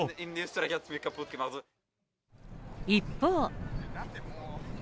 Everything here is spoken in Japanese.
一方。